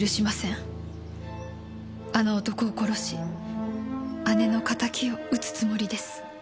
「あの男を殺し姉の仇を討つつもりです」